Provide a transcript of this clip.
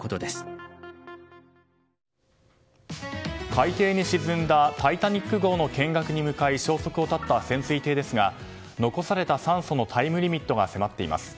海底に沈んだ「タイタニック号」の見学に向かい消息を絶った潜水艇ですが残された酸素のタイムリミットが迫っています。